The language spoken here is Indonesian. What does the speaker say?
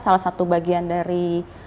salah satu bagian dari